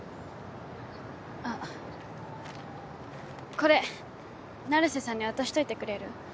あこれ成瀬さんに渡しといてくれる？